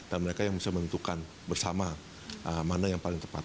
untuk menentukan bersama mana yang paling tepat